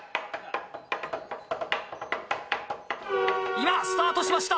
今スタートしました！